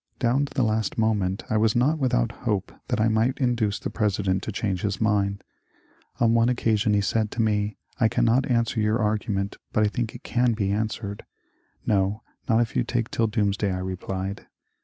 Down to the last moment I was not without hope that I might induce the President to change his mind. On one SUMNER COMPLAINS OF INJUSTICE 91 occasion he said to me, ^^I cannot answer your argament, but I think it can be answered." ^' No, not if you toke till Doomsday/' I replied.